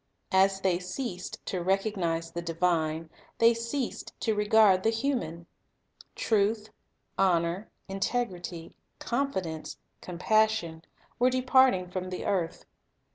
As they ceased to recognize the Divine, they ceased to regard the human. Truth, honor, integrity, con fidence, compassion, were departing from the earth.